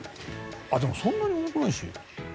でも、そんなに重くないし。